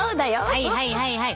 はいはいはいはい。